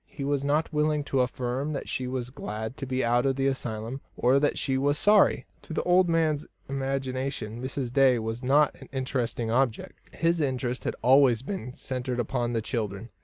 He was not willing to affirm that she was glad to be out of the asylum, or that she was sorry. To the old man's imagination Mrs. Day was not an interesting object; his interest had always been centred upon the children.